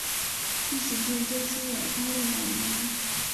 区行政中心为巴利马尼。